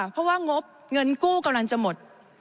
เพราะว่างบเงินกู้กำลังจะหมด